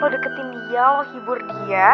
lo deketin dia lo hibur dia